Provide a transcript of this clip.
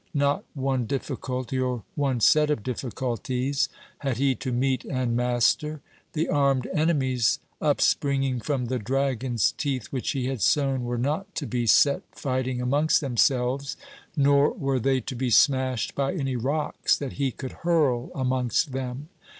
Not one difficulty, or one set of difficulties, had he to meet and master. The armed enemies up springing from the dragon's teeth which he had sown were not to be set fighting amongst themselves, nor were they to be smashed by any rocks that he could hurl amongst them.